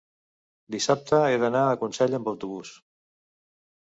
Dissabte he d'anar a Consell amb autobús.